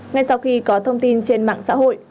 ngay sau khi có thông tin trên mạng xã hội